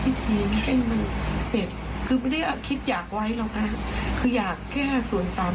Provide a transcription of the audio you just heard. พ่อถ้ามันเหนื่อยแล้วก็ไปนะไม่ต้องอยู่แบบทรมาน